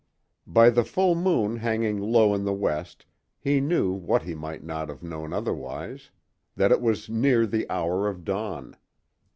By the full moon hanging low in the west he knew what he might not have known otherwise: that it was near the hour of dawn.